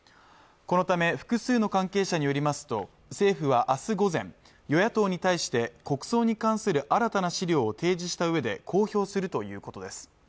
このため複数の関係者によりますと政府はあす午前与野党に対して国葬に関する新たな資料を提示したうえで公表するということです